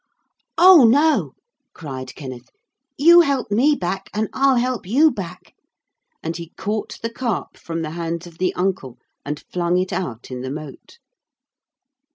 'Oh! no,' cried Kenneth, 'you helped me back and I'll help you back,' and he caught the Carp from the hands of the uncle and flung it out in the moat.